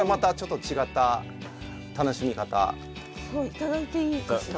いただいていいかしら？